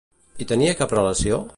Hi tenia cap relació?